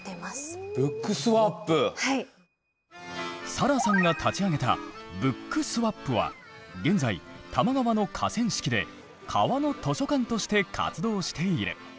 サラさんが立ち上げたＢｏｏｋｓｗａｐは現在多摩川の河川敷で川の図書館として活動している。